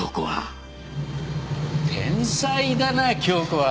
天才だな京子は。